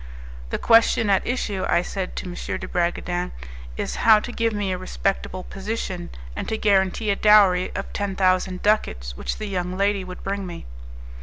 "The question at issue," I said to M. de Bragadin, "is how to give me a respectable position, and to guarantee a dowry of ten thousand ducats which the young lady would bring me."